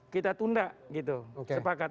kita tunda gitu sepakat